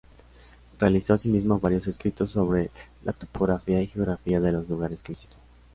Realizó asimismo varios escritos sobre la topografía y geografía de los lugares que visitó.